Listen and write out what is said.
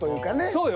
そうよ。